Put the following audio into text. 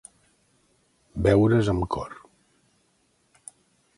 Veure's amb cor.